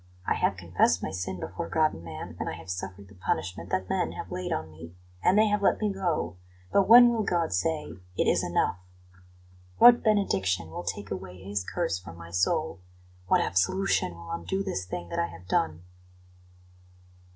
I have confessed my sin before God and man, and I have suffered the punishment that men have laid on me, and they have let me go; but when will God say, 'It is enough'? What benediction will take away His curse from my soul? What absolution will undo this thing that I have done?"